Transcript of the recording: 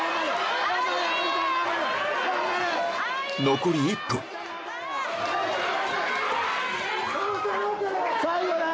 残り１分最後だよ